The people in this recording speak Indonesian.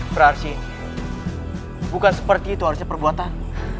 berarti bukan seperti itu harusnya perbuatan